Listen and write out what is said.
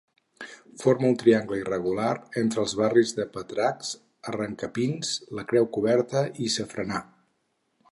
Forma un triangle irregular entre els barris de Patraix, Arrancapins, la Creu Coberta i Safranar.